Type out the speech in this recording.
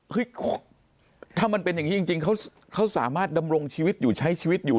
ถ้ามันเป็นอย่างนี้จริงเขาสามารถดำรงชีวิตอยู่ใช้ชีวิตอยู่